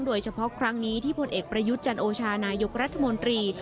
โดยเฉพาะครั้งนี้ที่ผลเอกประยุทธ์จันโอชานายกรัฐมนตรี